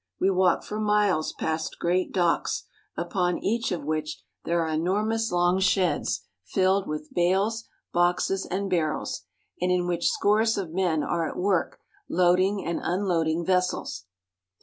We walk for miles past great docks, upon each of which DOCKS AND WHARVES. 69 there are enormous long sheds filled with bales, boxes, and barrels, and in which scores of men are at work load ing and unloading vessels.